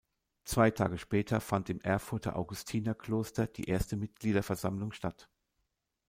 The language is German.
Zwei Tage später fand im Erfurter Augustinerkloster die erste Mitgliederversammlung statt.